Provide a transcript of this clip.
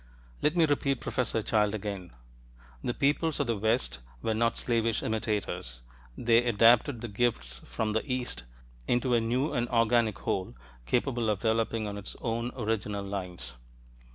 Let me repeat Professor Childe again. "The peoples of the West were not slavish imitators: they adapted the gifts from the East ... into a new and organic whole capable of developing on its own original lines."